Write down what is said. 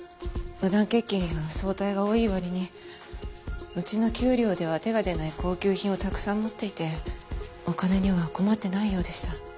無断欠勤や早退が多い割にうちの給料では手が出ない高級品をたくさん持っていてお金には困ってないようでした。